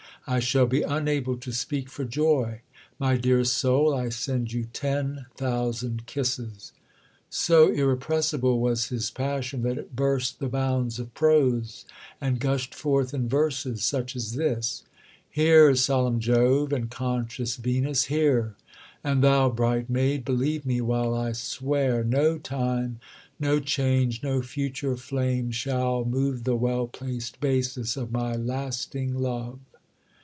I shall be unable to speak for joy. My dearest soul, I send you ten thousand kisses." So irrepressible was his passion that it burst the bounds of prose, and gushed forth in verses such as this: "Hear, solemn Jove, and, conscious Venus, hear! And thou, bright maid, believe me while I swear, No time, no change, no future flame shall move The well placed basis of my lasting love."